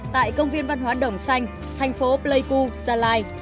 tại công viên văn hóa đồng xanh thành phố pleiku gia lai